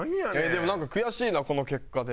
でも悔しいなこの結果で。